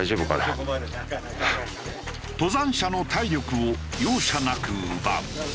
登山者の体力を容赦なく奪う。